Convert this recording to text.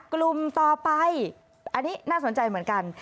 กลุ่มต่อไปอันนี้น่าสนใจเหมือนกัน